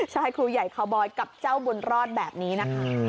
ใช่ครูใหญ่คาวบอยกับเจ้าบุญรอดแบบนี้นะคะ